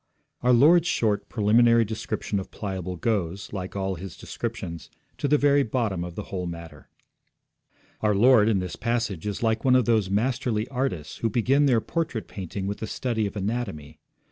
Our Lord's short preliminary description of Pliable goes, like all His descriptions, to the very bottom of the whole matter. Our Lord in this passage is like one of those masterly artists who begin their portrait painting with the study of anatomy.